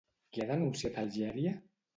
Qui ha denunciat Algèria?